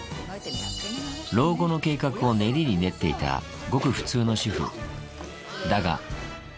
老後の計画を練りに練っていた、ごく普通の主婦。